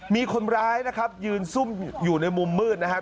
มีคนร้ายนะครับยืนซุ่มอยู่ในมุมมืดนะครับ